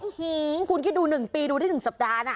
อื้อหือคุณก็ดู๑ปีดูได้๑สัปดาห์น่ะ